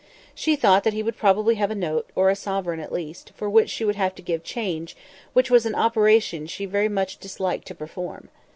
She thought that he would probably have a note, or a sovereign at least, for which she would have to give change, which was an operation she very much disliked to perform.